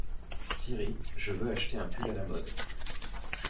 Siri, je veux acheter un pull à la mode.